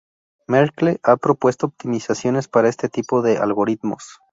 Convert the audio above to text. Merkle ha propuesto optimizaciones para este tipo de algoritmos.